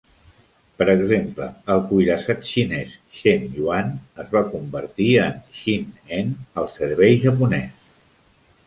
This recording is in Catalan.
Per exemple, el cuirassat xinès "Chen Yuan" es va convertir en "Chin'en" al servei japonès.